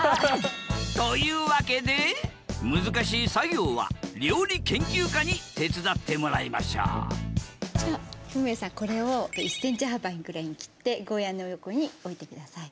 というわけで難しい作業は料理研究家に手伝ってもらいましょうじゃ倫也さんこれを１ｃｍ幅ぐらいに切ってゴーヤーの横に置いて下さい。